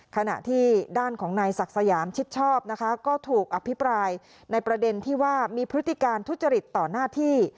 ขณะที่ด้านของนายศักดิ์สยามชิดชอบนะคะก็ถูกอภิปรายในประเด็นที่ว่ามีพฤติการทุจริตต่อหน้าที่